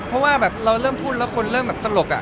เพราะว่าแบบเราเริ่มพูดแล้วคนเริ่มแบบตลก